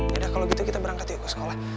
ya udah kalau gitu kita berangkat yuk ke sekolah